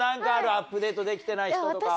アップデートできてない人とか。